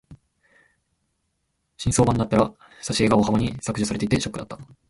新装版になったら挿絵が大幅に削除されていてショックだった。